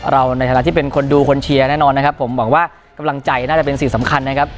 ในฐานะที่เป็นคนดูคนเชียร์แน่นอนนะครับผมหวังว่ากำลังใจน่าจะเป็นสิ่งสำคัญนะครับ